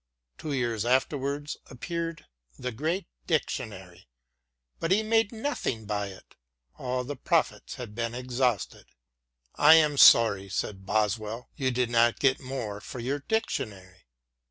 Two years afterwards appeared the great Dictionary, but he made nothing by it — all the profits had been exhausted. " I am sorry," said Boswell, " you did not get more for your Dictionary."